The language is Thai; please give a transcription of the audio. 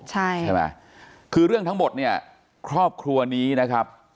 ใช่ไหมคือเรื่องทั้งหมดเนี่ยครอบครัวนี้นะครับ